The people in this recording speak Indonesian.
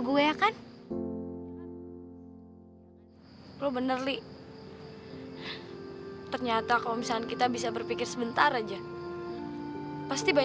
ibu kau kena lepasin kau kena lepasin